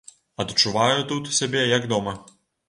Адчуваю тут сябе, як дома.